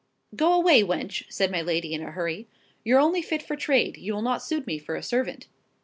"Go away, wench," said my lady in a hurry, "you're only fit for trade; you will not suit me for a servant."